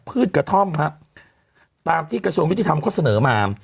พืชกระท่อมครับตามที่กระทรวงยุติธรรมเขาเสนอมา